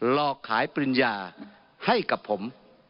หลอกขายปริญญาให้กับผม